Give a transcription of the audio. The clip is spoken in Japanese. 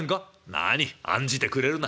「何案じてくれるな。